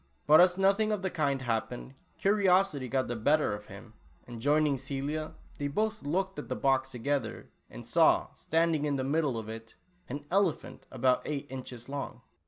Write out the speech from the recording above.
But as nothing of the kind happened, curiosity got the better of him, and joining Celia, they both looked into the box together, and saw, standing in the middle of it, an elcpJiaiit about eight inches long